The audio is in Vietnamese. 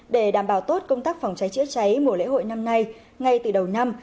để đảm bảo tốt công tác phòng cháy chữa cháy mùa lễ hội năm nay ngay từ đầu năm